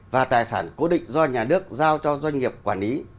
và tài sản cố định do nhà nước giao cho doanh nghiệp quản lý